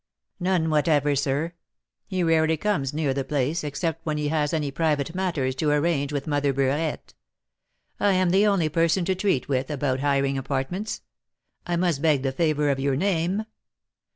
"None whatever, sir. He rarely comes near the place, except when he has any private matters to arrange with Mother Burette. I am the only person to treat with about hiring apartments. I must beg the favour of your name."